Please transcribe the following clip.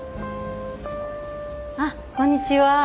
あこんにちは。